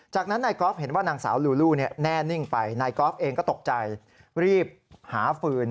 จากนั้นนายกอล์ฟเห็นว่านางสาวลูลูแน่นิ่งไปนายกอล์ฟเองก็ตกใจรีบหาฟืน